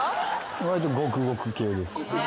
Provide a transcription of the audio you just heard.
わりとごくごく系です。